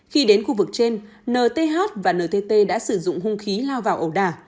khi đến khu vực trên nth và ntt đã sử dụng hung khí lao vào ẩu đà